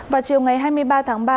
vào chiều ngày hai mươi ba tháng ba